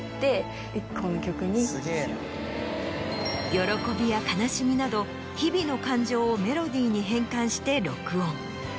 喜びや悲しみなど日々の感情をメロディーに変換して録音。